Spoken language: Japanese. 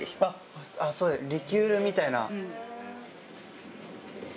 リキュールみたいな。